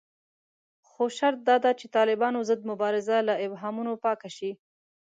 خو شرط داده چې د طالبانو ضد مبارزه له ابهامونو پاکه شي